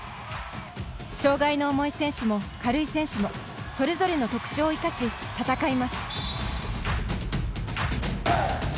障がいの重い選手も、軽い選手もそれぞれの特徴を生かし戦います。